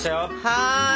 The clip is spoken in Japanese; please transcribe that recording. はい！